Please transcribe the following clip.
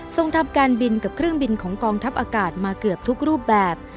ส่งทำการบินกับเครื่องบินของกองทัพอากาศมาเกือบทุกรูปแบบ